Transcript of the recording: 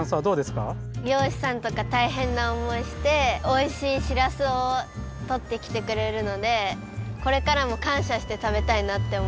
りょうしさんとかたいへんなおもいしておいしいしらすをとってきてくれるのでこれからもかんしゃしてたべたいなっておもいます。